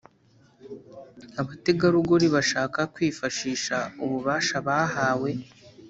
abategarugori bashaka kwifashisha ububasha bahawe